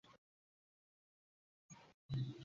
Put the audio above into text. সাজ্জাদ জাপানে চলে গেছে!